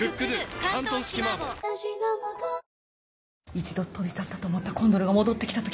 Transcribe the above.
一度飛び去ったと思ったコンドルが戻って来た時